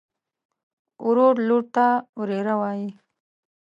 ورور لور ته وريره وايي.